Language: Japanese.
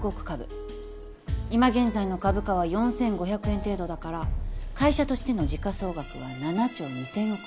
今現在の株価は４，５００円程度だから会社としての時価総額は７兆２，０００億円。